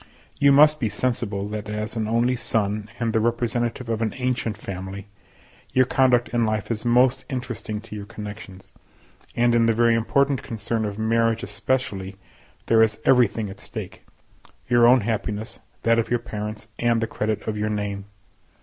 You must be sensible that as an only son, and the representative of an ancient family, your conduct in life is most interesting to your connections; and in the very important concern of marriage especially, there is everything at stake—your own happiness, that of your parents, and the credit of your name.